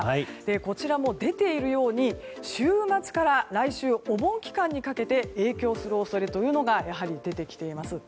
こちらに出ているように週末から来週お盆期間にかけて影響する恐れがやはり出てきています。